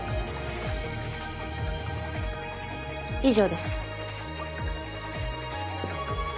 以上です。